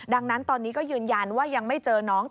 ดังนั้นตอนนี้ก็ยืนยันว่ายังไม่เจอน้อง